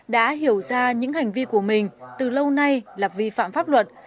đã hiểu ra những hành vi của mình từ lâu nay là vi phạm pháp luật